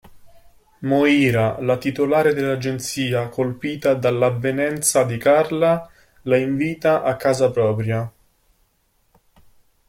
Moira, la titolare dell'agenzia, colpita dall'avvenenza di Carla, la invita a casa propria.